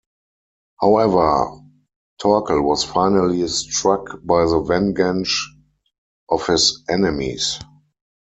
However, Torkel was finally struck by the vengeance of his enemies.